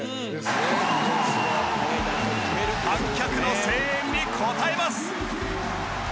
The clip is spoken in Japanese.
観客の声援に応えます。